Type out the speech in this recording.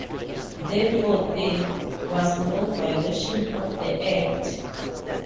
Therefore, there was no violation of the Act.